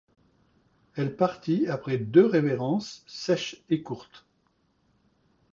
Elle partit après deux révérences sèches et courtes.